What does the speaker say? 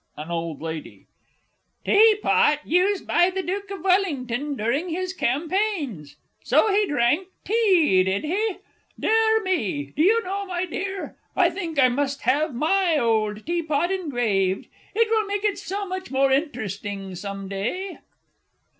AN OLD LADY. "Teapot used by the Duke of Wellington during his campaigns." So he drank tea, did he? Dear me! Do you know, my dear, I think I must have my old tea pot engraved. It will make it so much more interesting some day!